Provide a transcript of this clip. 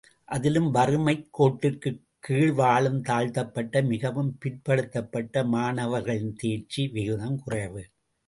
அதிலும் வறுமை கோட்டிற்குக் கீழ் வாழும் தாழ்த்தப்பட்ட, மிகவும் பிற்படுத்தப்பட்ட மாணவர்களின் தேர்ச்சி விகிதம் குறைவு.